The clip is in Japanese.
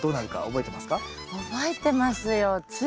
覚えてますよ。